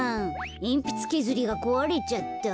えんぴつけずりがこわれちゃった。